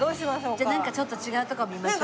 じゃあちょっと違うとこ見ましょう。